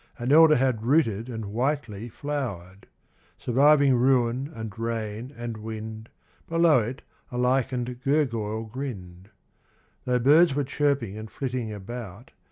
An elder had rooted and whitely flowered : Surviving ruin and rain and wind, Below it a lichened gurgoyle grinned. Though birds were chirping and flitting about.